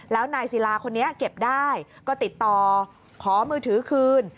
แล้วนายศิลาคนนี้เก็บได้ก็ติดต่อขอมือถือคืน